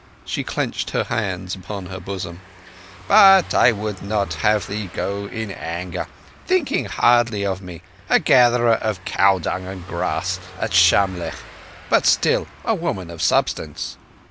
She clenched her hands upon her bosom ... "But I would not have thee to go in anger, thinking hardly of me—a gatherer of cow dung and grass at Shamlegh, but still a woman of substance."